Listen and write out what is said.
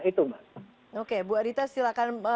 itu mas oke bu adita silahkan